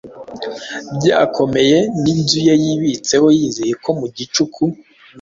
Byakomeye ninzu ye yibitsehoyizeye ko mu gicuku